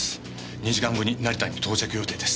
２時間後に成田に到着予定です。